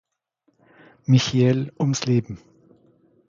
Michiel ums Leben.